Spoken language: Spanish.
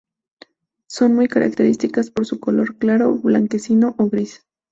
Son muy características por su color claro, blanquecino o gris.